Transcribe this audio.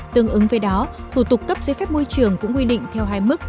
tương ứng với đó thủ tục cấp giấy phép môi trường cũng quy định theo hai mức